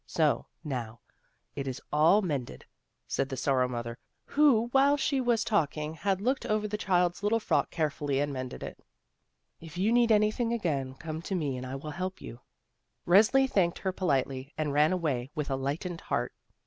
So, now, it is all mend ed," said the Sorrow mother, who while she was talking had looked over the child's little frock carefully and mended it. ROSE RESLI'S TROUBLE 48 "If you need anything again, come to me and I will help you." Resli thanked her politely and ran away with a lightened heart.